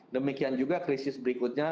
demikian juga krisis berikutnya